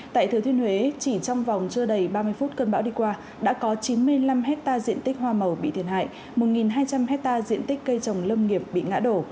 tại thừa thiên huế chỉ trong vòng chưa đầy ba mươi phút cơn bão đi qua đã có chín mươi năm hectare diện tích hoa màu bị thiệt hại một hai trăm linh hectare diện tích cây trồng lâm nghiệp bị ngã đổ